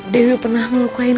dewi pernah melukain